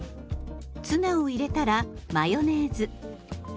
ツナを入れたらマヨネーズ。